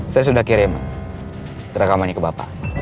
saya sudah kirim rekamannya ke bapak